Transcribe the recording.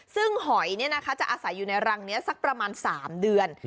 ซึ่งหอยจะอาศัยอยู่ในรังนี้สักประมาณ๓เดือน